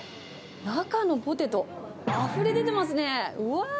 中のポテト、あふれ出てますね。